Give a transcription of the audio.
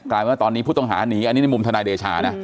ลายว่าตอนนี้ผู้ต้องหาหนีอันนี้ในมุมธนายเดชานะ